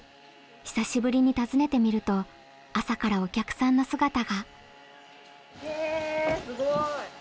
久しぶりに訪ねてみると朝からお客さんの姿が。